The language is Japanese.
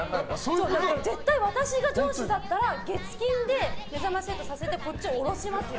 絶対私が上司だったら月金で「めざまし８」でこっち、降ろしますよ。